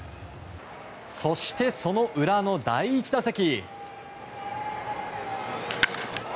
そして、その裏の第１打席。